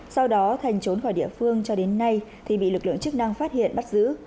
sau đó thành trốn khỏi địa phương cho đến nay thì bị lực lượng chức năng phát hiện bắt giữ